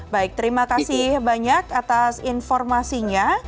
baik terima kasih banyak atas informasinya